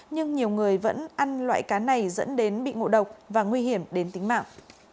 nhưng nhiều người vẫn ăn loại cá này dẫn đến bị ngộ độc và nguy hiểm đến tính mạng